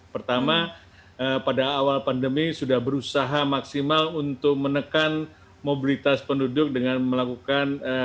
pertama pada awal pandemi sudah berusaha maksimal untuk menekan mobilitas penduduk dengan melakukan